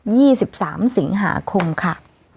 สิบสามสิงหาคมค่ะ